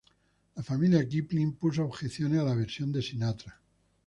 La familia Kipling puso objeciones a la versión de Sinatra.